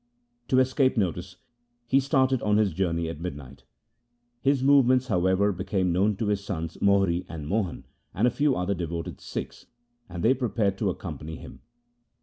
To escape notice he started on his journey at midnight. His movements, however, became known to his sons Mohri and Mohan and a few other devoted Sikhs, and they prepared to accompany him.